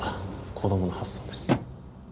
子供の発想です